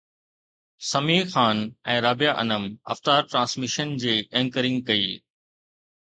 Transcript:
سميع خان ۽ رابعه انعم افطار ٽرانسميشن جي اينڪرنگ ڪئي